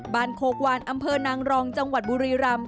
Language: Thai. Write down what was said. โคกวานอำเภอนางรองจังหวัดบุรีรำ